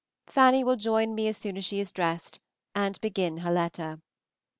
Fanny will join me as soon as she is dressed, and begin her letter.